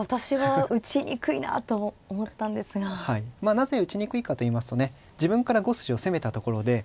なぜ打ちにくいかといいますとね自分から５筋を攻めたところで。